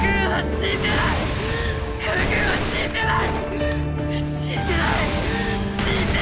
死んでない！